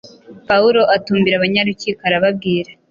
Pawulo atumbira abanyarukiko, arababwira